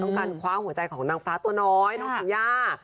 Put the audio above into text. ต้องการคว้าหัวใจของนางฟ้าตัวน้อยนางฟรีย่า